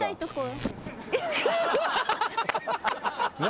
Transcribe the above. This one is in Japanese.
何？